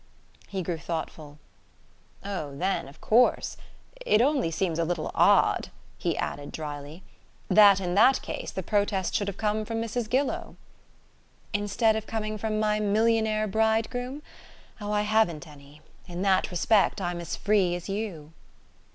He grew thoughtful. "Oh, then, of course . It only seems a little odd," he added drily, "that in that case, the protest should have come from Mrs. Gillow." "Instead of coming from my millionaire bridegroom, Oh, I haven't any; in that respect I'm as free as you."